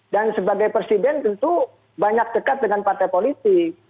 dan sebagai presiden tentu banyak dekat dengan partai politik